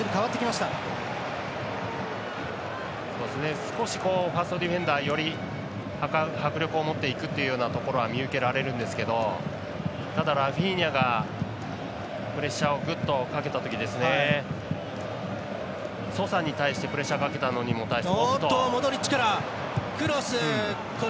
しかしファーストディフェンダーより迫力をもっていくというようなところは見受けられるんですけどただラフィーニャがプレッシャーを、ぐっとかけたとき、ソサに対してプレッシャーをかけたのに対して。